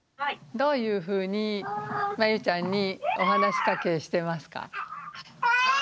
どういうふうにまゆちゃんにお話かけしてますか？